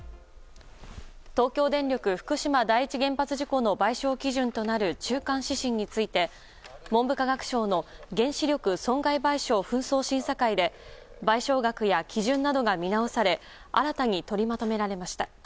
東京電力福島第一原発事故の賠償基準となる中間指針について文部科学省の原子力損害賠償紛争審査会で賠償額や基準などが見直され新たに取りまとめられました。